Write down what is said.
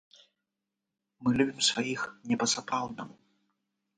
Мы любім сваіх не па-сапраўднаму.